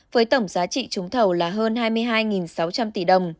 với tổng giá trị trúng thầu là hơn hai mươi hai sáu trăm linh tỷ đồng